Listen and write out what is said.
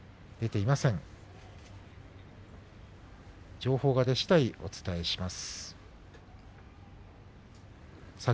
情報が出しだいお伝えします。